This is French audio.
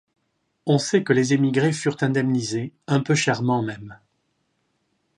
On sait que les émigrés furent indemnisés, un peu chèrement même !